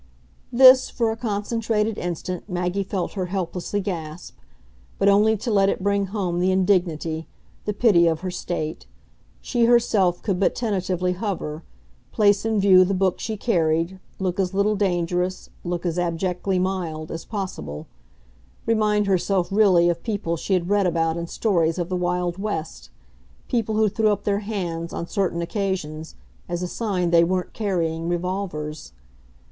This, for a concentrated instant, Maggie felt her helplessly gasp but only to let it bring home the indignity, the pity of her state. She herself could but tentatively hover, place in view the book she carried, look as little dangerous, look as abjectly mild, as possible; remind herself really of people she had read about in stories of the wild west, people who threw up their hands, on certain occasions, as a sign they weren't carrying revolvers.